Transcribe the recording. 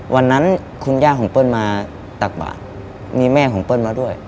วันนั้นคุณย่าของเปิ้ลมาตักบาทมีแม่ของเปิ้ลมาด้วย